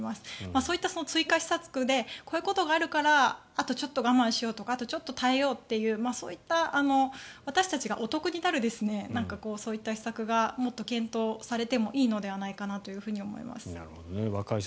そういった追加施策でこういったことがあるからあとちょっと我慢しようとか耐えようとか私たちがお得になるような施策がもっと検討されてもいいのではないかと思います。